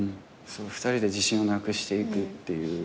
２人で自信をなくしていくっていう。